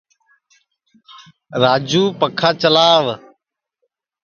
راجُو پکھا چلاوَ